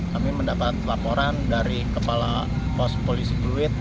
seribu sembilan ratus empat puluh lima kami mendapat laporan dari kepala pos polisi pluit